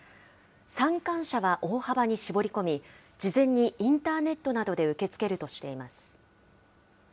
参観者は大幅に絞り込み、事前にインターネットなどで受け付けるとしています。